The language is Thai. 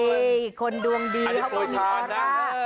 นี่คนดวงดีเขาก็มีธรรมด้วย